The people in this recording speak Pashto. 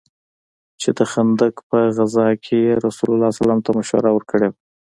چې د خندق په غزوه كښې يې رسول الله ته مشوره وركړې وه.